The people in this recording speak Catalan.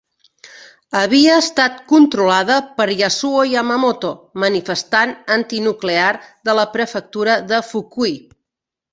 Havia estat controlada per Yasuo Yamamoto, manifestant antinuclear de la prefectura de Fukui.